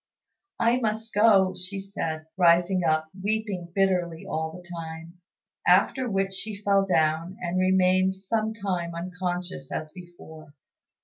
"I must go," said she, rising up and weeping bitterly all the time; after which she fell down, and remained some time unconscious as before.